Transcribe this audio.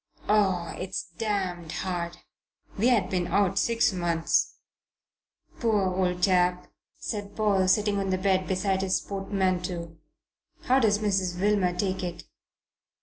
Oh, it's damned hard! We had been out six months." "Poor old chap!" said Paul, sitting on the bed beside his portmanteau. "How does Mrs. Wilmer take it?"